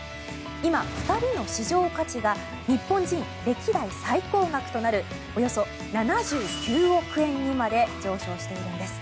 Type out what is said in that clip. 今、２人の市場価値が日本人歴代最高額となるおよそ７９億円にまで上昇しているんです。